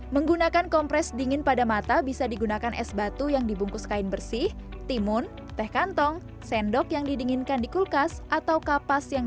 menggunakan kompres dingin pada mata bisa digunakan es batu yang dibungkus kain bersih timun teh kantong sendok yang didinginkan di kulkas atau kapas yang